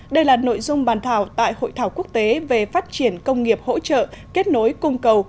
đây là nội dung bàn thảo tại hội thảo quốc tế về phát triển công nghiệp hỗ trợ kết nối cung cầu